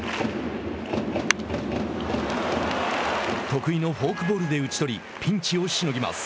得意のフォークボールで打ち取りピンチをしのぎます。